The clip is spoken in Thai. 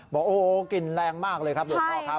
บอกโอ้โหกลิ่นแรงมากเลยครับหลวงพ่อครับ